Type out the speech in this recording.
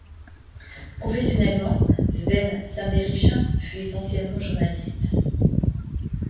Professionnellement, Sven Sainderichin fut essentiellement journaliste.